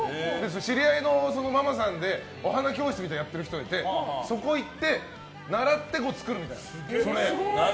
知り合いのママさんでお花教室をやってる人がいてそこへ行って習って作るみたいな。